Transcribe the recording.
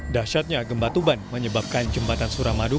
dasyatnya gembatuban menyebabkan jembatan suramadu